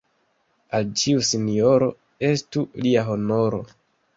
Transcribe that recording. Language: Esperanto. Al ĉiu sinjoro estu lia honoro.